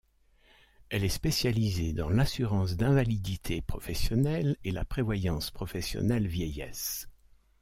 Elle est spécialisée dans l’assurance d'invalidité professionnelle et la prévoyance professionnelle vieillesse.